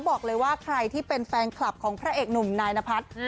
บอกเลยว่าใครที่เป็นแฟนคลับของพระเอกหนุ่มนายนพัฒน์